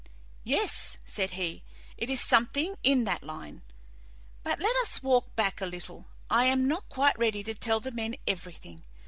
"Yes," said he, "it is something in that line. But let us walk back a little; I am not quite ready to tell the men everything.